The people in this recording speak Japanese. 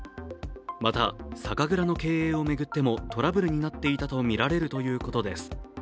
また酒蔵の経営を巡ってもトラブルになっていたとみられるということです。